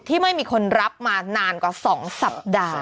ไม่มีคนรับมานานกว่า๒สัปดาห์